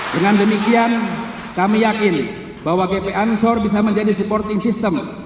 dengan demikian kami yakin bahwa gp ansor bisa menjadi supporting system